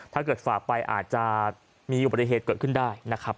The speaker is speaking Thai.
ถ้าเกิดฝากไปอาจจะมีอุบัติเหตุเกิดขึ้นได้นะครับ